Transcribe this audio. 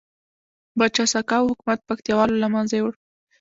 بچه سقاو حکومت پکتيا والو لمنځه یوړ